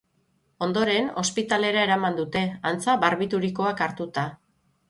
Ondoren ospitalera eraman dute, antza barbiturikoak hartuta.